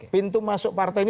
pintu masuk partai ini